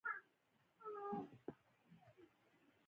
د پخلنځي خوشبويي د کور ژوند ته خندا ورکوي.